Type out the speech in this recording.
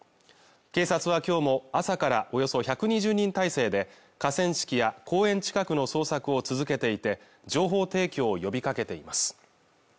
警察は今日も朝からおよそ１２０人態勢で河川敷や公園近くの捜索を続けていて情報提供を呼びかけています